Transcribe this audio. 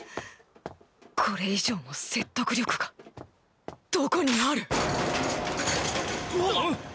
これ以上の説得力がどこにあるああっ！